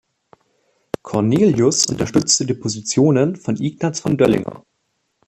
Cornelius unterstützte die Positionen von Ignaz von Döllinger.